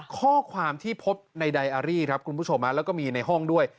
ข้อความที่พบในไดอารี่ครับคุณผู้ชมแล้วก็มีในห้องด้วย